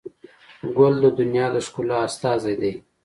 ګل د دنیا د ښکلا استازی دی.